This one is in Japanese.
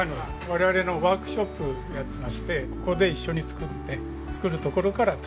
我々のワークショップやってましてここで一緒に作って作るところから楽しんで頂くと。